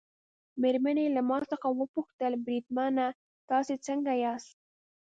مېرمنې یې له ما څخه وپوښتل: بریدمنه تاسي څنګه یاست؟